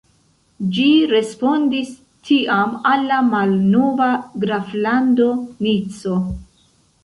Ĝi respondis tiam al la malnova graflando Nico.